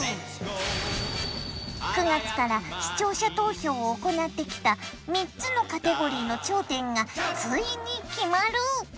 ９月から視聴者投票を行ってきた３つのカテゴリーの頂点がついに決まる！